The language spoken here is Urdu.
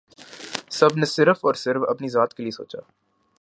سب نے صرف اور صرف اپنی ذات کے لیئے سوچا